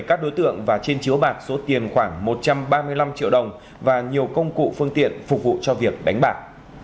các đối tượng và trên chiếu bạc số tiền khoảng một trăm ba mươi năm triệu đồng và nhiều công cụ phương tiện phục vụ cho việc đánh bạc